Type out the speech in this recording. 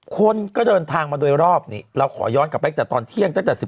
คนก็เดินทางมาโดยรอบนี้เราขอย้อนกลับไปตลอดเที่ยง